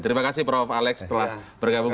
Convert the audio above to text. terima kasih prof alex telah bergabung bersama kami